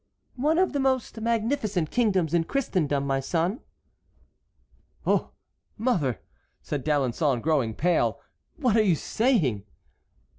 "One of the most magnificent kingdoms in Christendom, my son." "Oh! mother," said D'Alençon, growing pale, "what are you saying?"